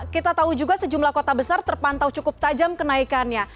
kita tahu juga sejumlah kota besar terpantau cukup tajam kenaikannya